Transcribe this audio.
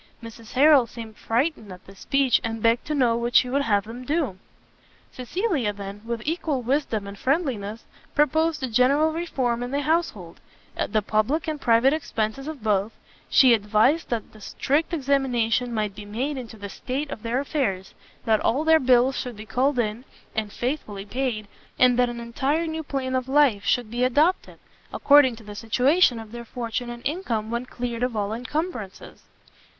Mrs Harrel seemed frightened at this speech, and begged to know what she would have them do? Cecilia then, with equal wisdom and friendliness, proposed a general reform in the household, the public and private expences of both; she advised that a strict examination might be made into the state of their affairs, that all their bills should be called in, and faithfully paid, and that an entire new plan of life should be adopted, according to the situation of their fortune and income when cleared of all incumbrances.